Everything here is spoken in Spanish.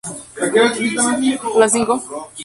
Recurren a diversas estratagemas para conseguir dinero.